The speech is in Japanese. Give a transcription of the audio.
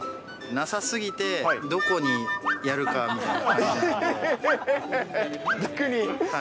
なさすぎて、どこでやるかみたいな。